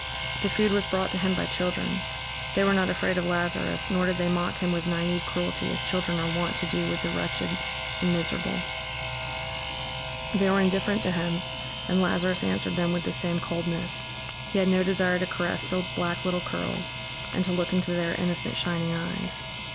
The food was brought to him by children; they were not afraid of Lazarus, nor did they mock him with naive cruelty, as children are wont to do with the wretched and miserable. They were indifferent to him, and Lazarus answered them with the same coldness; he had no desire to caress the black little curls, and to look into their innocent shining eyes.